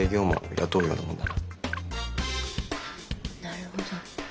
なるほど。